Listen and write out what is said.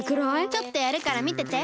ちょっとやるからみてて。